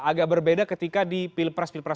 agak berbeda ketika di pilpres pilpres